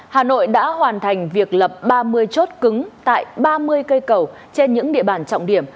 hà nội đã hoàn thành việc lập ba mươi chốt cứng tại ba mươi cây cầu trên những địa bàn trọng điểm